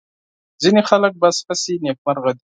ځینې خلک بس هسې نېکمرغه دي.